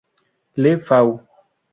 Le Fau